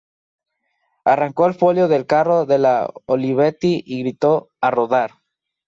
Arrancó el folio del carro de la Olivetti y gritó: ‘¡A rodar!’.